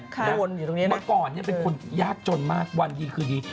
เมื่อก่อนเป็นคนยากจนมากวันดีคืนดี